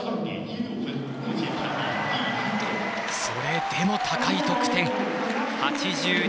それでも高い得点。